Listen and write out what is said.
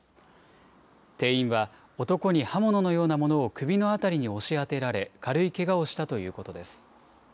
店員は、男に刃物のようなものを首の辺りに押し当てられ、軽いけがをしたということです。